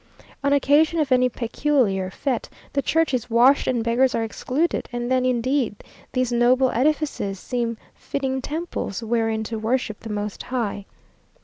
On occasion of any peculiar fête, the church is washed and beggars are excluded, and then indeed these noble edifices seem fitting temples wherein to worship the Most High.